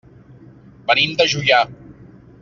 Venim de Juià.